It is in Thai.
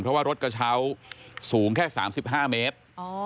เพราะว่ารถกระเช้าสูงแค่๓๕เมตร